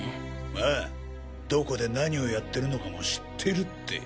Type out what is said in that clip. ああどこで何をやってるのかも知ってるって。